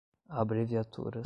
abreviaturas